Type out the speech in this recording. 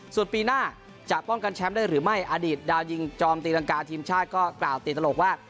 ส่วนปีหน้าจะป้องกันแชมป์ได้หรือไม่อดีตดาวยิงจอมตีรังกาทีมชาติก็กล่าวตีตลกว่า